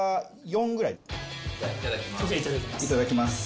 いただきます。